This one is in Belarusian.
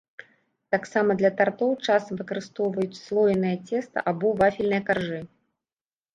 Таксама для тартоў часам выкарыстоўваюць слоенае цеста або вафельныя каржы.